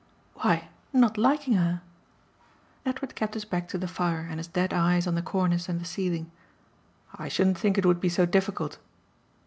"Why, not liking her." Edward kept his back to the fire and his dead eyes on the cornice and the ceiling. "I shouldn't think it would be so difficult."